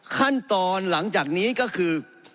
ขั้นตอนหลังจากนี้ก็คือ